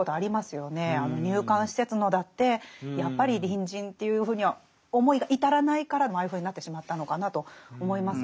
あの入管施設のだってやっぱり隣人というふうには思いが至らないからああいうふうになってしまったのかなと思いますものね。